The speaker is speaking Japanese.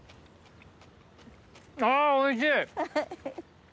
あおいしい。